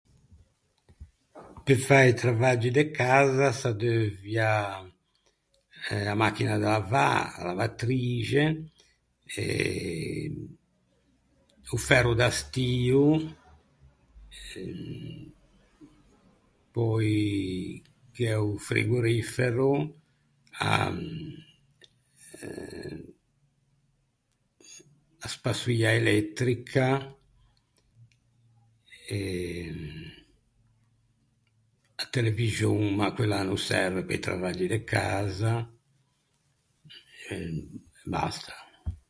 Pe fâ i travaggi de casa s’addeuvia a machina da lavâ, a lavatrixe e o færo da stio, pöi gh’é o frigorifero a a spassoia elettrica e a televixon, ma quella a no serve pe-i travaggi de casa e basta.